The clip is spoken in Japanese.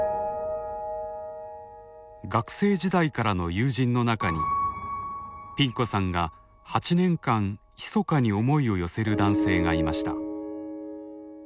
学生時代からの友人の中にピン子さんが８年間ひそかに思いを寄せる男性がいました。